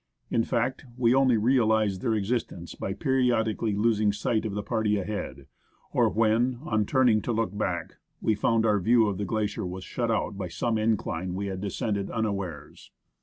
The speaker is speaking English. In fact, we only realized their existence by periodically losing sight of the party ahead, or when, on turning to look back, we found our view of the glacier was shut out by some incline we had descended unawares.